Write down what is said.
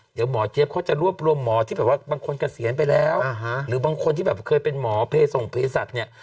เดี๋ยวหมอเจี๊ยบเขาจะรวบรวมหมอที่แบบว่าบางคนเกษียณไปแล้วหรือบางคนที่แบบเคยเป็นหมอเพส่งเพศัตริย์เนี่ย